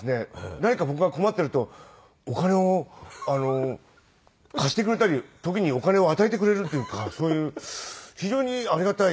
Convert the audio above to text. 何か僕が困ってるとお金を貸してくれたり時にお金を与えてくれるというかそういう非常にありがたい。